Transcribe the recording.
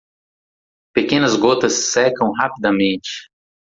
Pequenas gotas secam rapidamente.